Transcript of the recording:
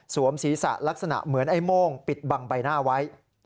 ศีรษะลักษณะเหมือนไอ้โม่งปิดบังใบหน้าไว้